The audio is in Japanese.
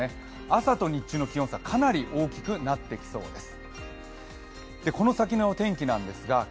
朝と日中の気温差かなり大きくなってきそうです。